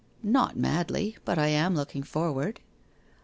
c Not madly — but I am looking forward.'